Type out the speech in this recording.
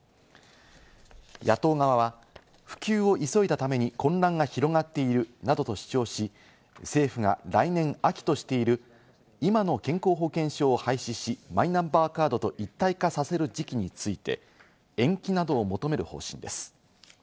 野党側は、普及を急いだために混乱が広がっているなどと主張し政府が来年の秋としている今の健康保険証を廃止し、マイナンバーカードと一体化させる時期について延期などを求める方針です。